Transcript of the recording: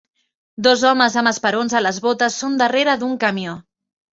Dos homes amb esperons a les botes són darrere d'un camió.